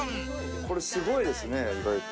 これすごいですね意外と。